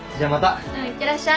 うん。いってらっしゃい。